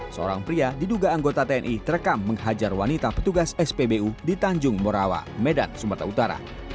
seorang pria diduga anggota tni terekam menghajar wanita petugas spbu di tanjung morawa medan sumatera utara